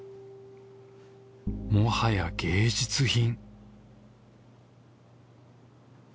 もはや芸術品。